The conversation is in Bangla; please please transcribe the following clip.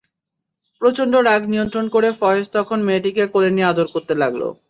প্রচণ্ড রাগ নিয়ন্ত্রণ করে ফয়েজ তখন মেয়েটিকে কোলে নিয়ে আদর করতে লাগল।